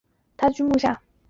他居墓下。